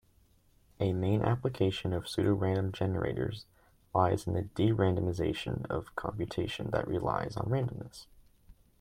A main application of pseudorandom generators lies in the de-randomization of computation that relies on randomness.